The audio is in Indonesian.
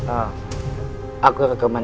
aku rekamanin banget sama kakak